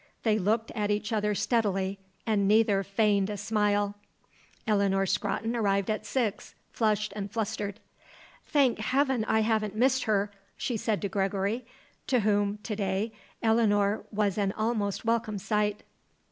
They looked at each other steadily and neither feigned a smile. Eleanor Scrotton arrived at six, flushed and flustered. "Thank heaven, I haven't missed her!" she said to Gregory, to whom, to day, Eleanor was an almost welcome sight.